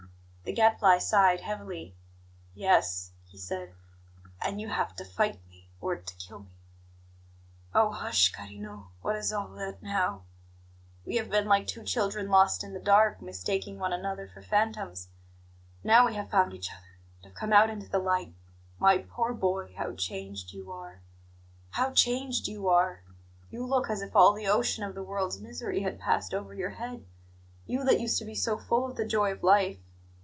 The Gadfly sighed heavily. "Yes," he said; "and you have to fight me, or to kill me." "Oh, hush, carino! What is all that now? We have been like two children lost in the dark, mistaking one another for phantoms. Now we have found each other, and have come out into the light. My poor boy, how changed you are how changed you are! You look as if all the ocean of the world's misery had passed over your head you that used to be so full of the joy of life!